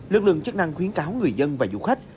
lực lượng chức năng khuyến cáo người dân và du khách